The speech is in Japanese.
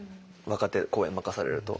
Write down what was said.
若手公演任されると。